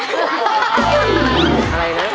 อะไรนะ